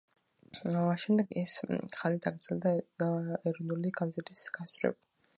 შემდეგ ეს ხაზი დაგრძელდა ეროვნული გამზირის გასწვრივ.